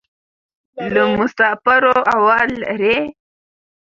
له مسافرو احوال لرې؟